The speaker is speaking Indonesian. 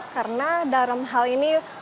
karena dalam hal ini